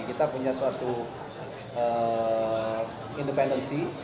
kita punya suatu independensi